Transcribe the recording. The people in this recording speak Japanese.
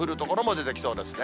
出てきそうですね。